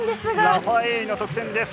ラファエーリの得点です。